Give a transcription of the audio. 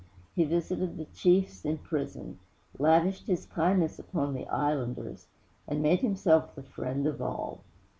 He visited the chiefs in prison, lavished his kindnesses upon the islanders, and made himself the friend of all.